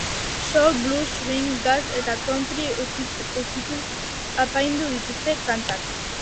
Soul, blues, swing, jazz eta country ukituez apaindu dituzte kantak.